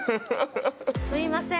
すいません。